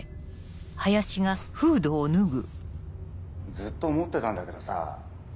ずっと思ってたんだけどさぁ。